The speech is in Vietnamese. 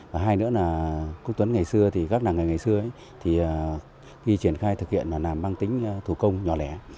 và hai nữa là quốc tuấn ngày xưa thì các nàng nghề ngày xưa thì khi triển khai thực hiện là làm băng tính thủ công nhỏ lẻ